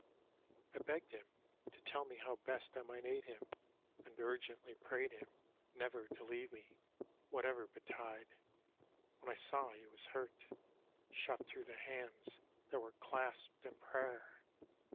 I begged him to tell me how best I might aid him, And urgently prayed him Never to leave me, whatever betide ;— When I saw he was hurt — Shot through the hands that were clasped in prayer!